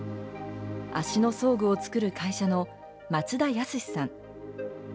足の装具を作る会社の松田靖史さん。